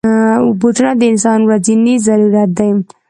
بوټونه د انسان ورځنی ضرورت دی.